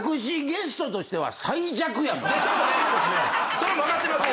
それも分かってます。